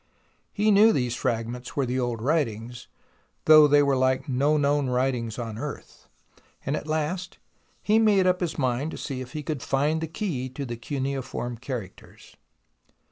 He knew these fragments were the old writings, though they were like no known writings on earth, and at last he made up his mind to see if he could find the key to the cuneiform characters.